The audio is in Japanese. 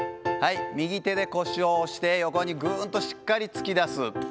右手で腰を押して横にぐーっとしっかり突き出す。